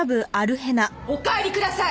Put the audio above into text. お帰りください！